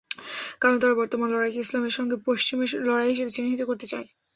কারণ তারা বর্তমান লড়াইকে ইসলামের সঙ্গে পশ্চিমের লড়াই হিসেবে চিহ্নিত করতে চায়।